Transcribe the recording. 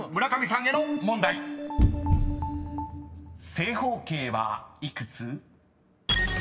［正方形は幾つ？］